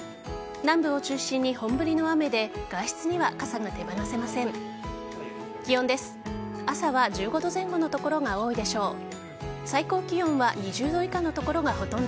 南部を中心に本降りの雨で外出には傘が手放せません。